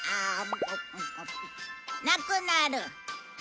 なくなる。